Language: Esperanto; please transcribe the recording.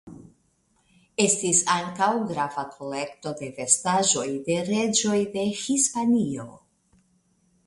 Estis ankaŭ grava kolekto de vestaĵoj de reĝoj de Hispanio.